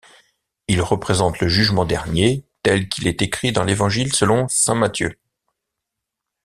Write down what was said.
Il représente le Jugement dernier tel qu'il est écrit dans l'Évangile selon saint Matthieu.